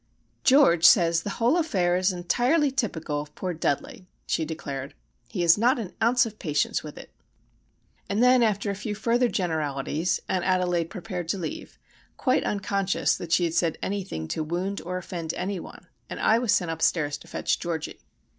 "George says the whole affair is entirely typical of poor Dudley," she declared. "He has not an ounce of patience with it." And then, after a few further generalities, Aunt Adelaide prepared to leave, quite unconscious that she had said anything to wound or offend any one, and I was sent upstairs to fetch Georgie.